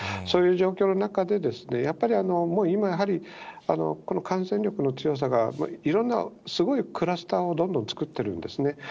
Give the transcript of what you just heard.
そういう状況の中で、やっぱり今、やはり、この感染力の強さが、いろんなすごいクラスターをどんどん作ってるんですね。